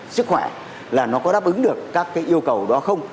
sức khỏe là nó có đáp ứng được các yêu cầu đó không